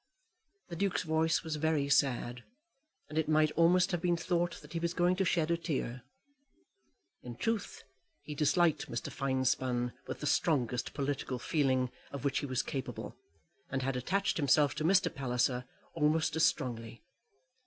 The Duke's voice was very sad, and it might almost have been thought that he was going to shed a tear. In truth he disliked Mr. Finespun with the strongest political feeling of which he was capable, and had attached himself to Mr. Palliser almost as strongly.